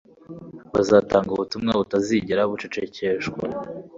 bazatanga ubutumwa butazigera bucecekeshwa